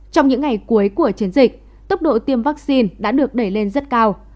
trong những ngày cuối của chiến dịch tốc độ tiêm vaccine đã được đẩy lên rất cao